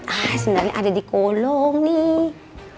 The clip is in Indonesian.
ah sendalnya ada di kolong nih